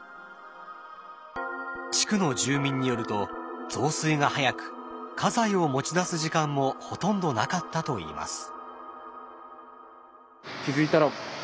地区の住民によると増水が早く家財を持ち出す時間もほとんどなかったといいます。